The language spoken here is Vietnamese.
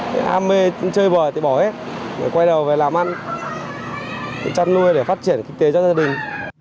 cái am mê chơi bò thì bỏ hết quay đầu về làm ăn chăn nuôi để phát triển kinh tế cho gia đình